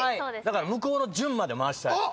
向こうの潤まで回したい。